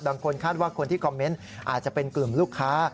บางคนคาดว่าคนที่คอมเมนต์อาจจะเป็นกลุ่มลูกค้า